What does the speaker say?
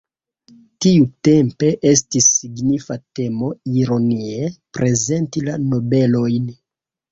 Tiutempe estis signifa temo ironie prezenti la nobelojn.